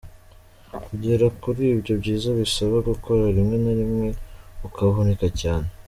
Kugera kuri ibyo byiza bisaba gukora rimwe na rimwe ukavunika cyane.